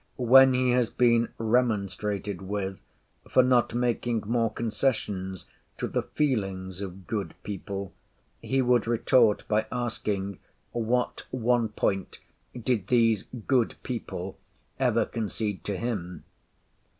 When he has been remonstrated with for not making more concessions to the feelings of good people, he would retort by asking, what one point did these good people ever concede to him?